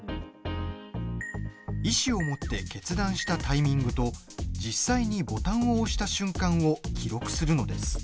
意志を持って決断したタイミングと実際にボタンを押した瞬間を記録するのです。